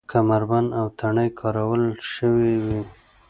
کمربند او تڼۍ کارول شوې وې.